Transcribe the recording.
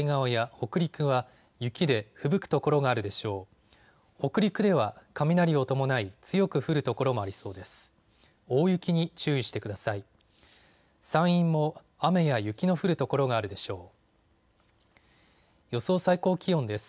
北陸では雷を伴い強く降る所もありそうです。